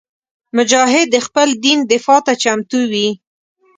مجاهد د خپل دین دفاع ته چمتو وي.